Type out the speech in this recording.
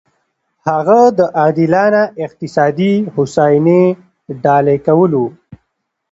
هغه د عادلانه اقتصادي هوساینې ډالۍ کول و.